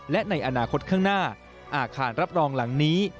และในอนาคตข้างหน้าอาคารรับรองหลังนี้